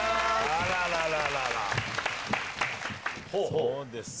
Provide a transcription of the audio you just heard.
そうですか。